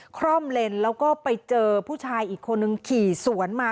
คร่อมเลนแล้วก็ไปเจอผู้ชายอีกคนนึงขี่สวนมา